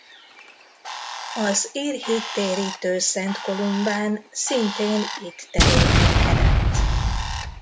Az ír hittérítő Szent Kolumbán szintén itt tevékenykedett.